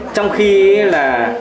trong khi là